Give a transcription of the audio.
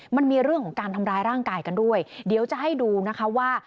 มันมีเรื่องของการทำร้ายร่างกายกันด้วยเดี๋ยวจะให้ดูนะคะว่า